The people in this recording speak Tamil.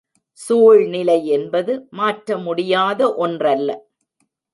சூழ்நிலை என்பது மாற்றமுடியாத ஒன்றல்ல.